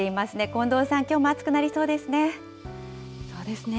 近藤さん、きょうも暑くなりそうですね。